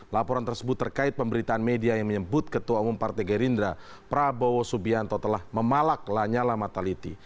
laporan tersebut terkait pemberitaan media yang menyebut ketua umum partai gerindra prabowo subianto telah memalak lanyala mataliti